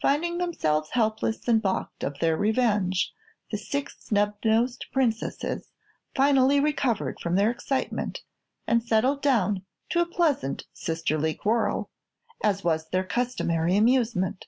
Finding themselves helpless and balked of their revenge, the Six Snubnosed Princesses finally recovered from their excitement and settled down to a pleasant sisterly quarrel, as was their customary amusement.